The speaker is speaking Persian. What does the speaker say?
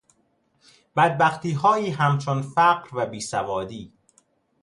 بدبختیهایی همچون فقر و بیسوادی